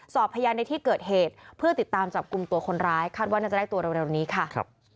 สอบพยานในที่เกิดเหตุเพื่อติดตามจับกลุ่มตัวคนร้ายคาดว่าน่าจะได้ตัวเร็วนี้ค่ะ